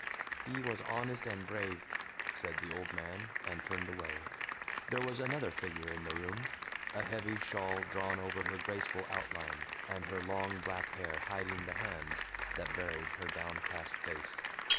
"He was honest and brave," said the old man, and turned away. There was another figure in the room; a heavy shawl drawn over her graceful outline, and her long black hair hiding the hands that buried her downcast face.